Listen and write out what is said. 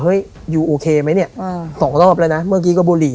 เฮ้ยยูโอเคไหมเนี้ยอ่าสองรอบแล้วนะเมื่อกี้ก็บุหรี่